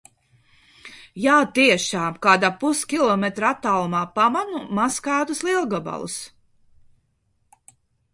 Jā, tiešām, kāda puskilometra attālumā pamanu maskētus lielgabalus.